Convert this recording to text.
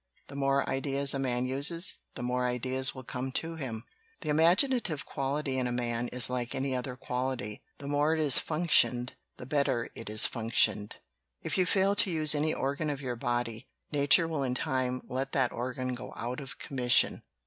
The more ideas a man uses, the more ideas will come to him. "The imaginative quality in a man is like any other quality; the more it is functioned the bet ter it is functioned. If you fail to use any organ of your body, nature will in time let that organ go out of commission.